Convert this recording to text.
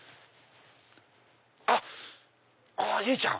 あっ由依ちゃん！